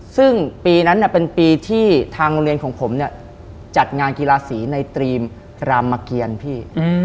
ซึ่งปีนั้นเป็นปีที่ทางโรงเรียนของผมเนี่ยจัดงานกีฬาสีในตรีมรามเกียรพี่